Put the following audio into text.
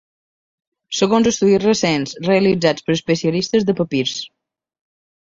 Segons estudis recents realitzats per especialistes de papirs.